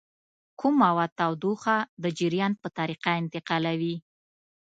کوم مواد تودوخه د جریان په طریقه انتقالوي؟